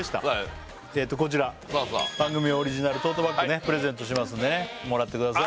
こちらそうそう番組オリジナルトートバッグねプレゼントしますんでねもらってください